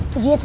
tuh dia tuh